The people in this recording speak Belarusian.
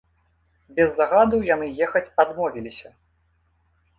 Без загаду яны ехаць адмовіліся.